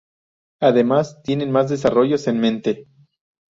Además tienen más desarrollos en mente.